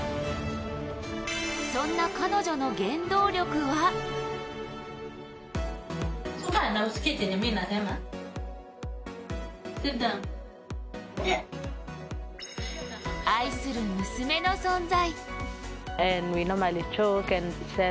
そんな彼女の原動力は愛する娘の存在。